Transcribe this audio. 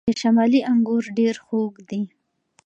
د شمالی انګور ډیر خوږ دي.